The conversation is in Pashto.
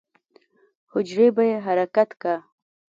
حجرې به يې حرکت کا.